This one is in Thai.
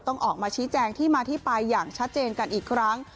ต้องออกมาชี้แจงที่มาที่ไปอย่างชัดเจนกันอีกครั้ง